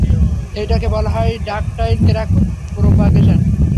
এইটাকে বলা হয় ডাকটাইল ক্র্যাক প্রোপাগেশন।